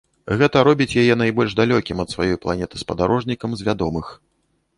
Гэта робіць яе найбольш далёкім ад сваёй планеты спадарожнікам з вядомых.